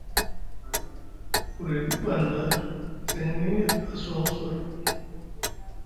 Buri ɗif hanɗa seŋni a suwaŋ suway.